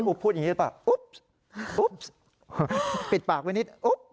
พี่อุ๊ปพูดอย่างนี้แบบอุ๊ปปิดปากไว้นิดอุ๊ป